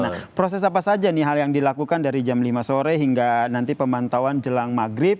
nah proses apa saja nih hal yang dilakukan dari jam lima sore hingga nanti pemantauan jelang maghrib